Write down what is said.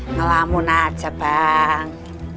selamun aja bang